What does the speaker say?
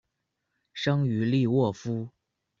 生于利沃夫。